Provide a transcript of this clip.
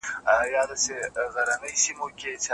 ته به اورې شرنګا شرنګ له هره لوري